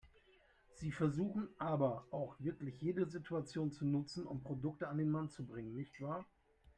Sie versuchen aber auch wirklich jede Situation zu nutzen, um Produkte an den Mann zu bringen, nicht wahr?